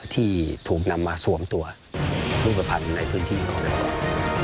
ที่ถูกนำมาสวมตัวรูปภัณฑ์ในพื้นที่ของเราก่อน